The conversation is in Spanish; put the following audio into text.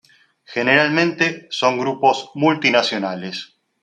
Generalmente, son grupos multinacionales.